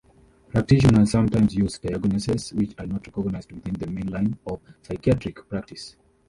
Practitioners sometimes use diagnoses which are not recognized within the mainline of psychiatric practice.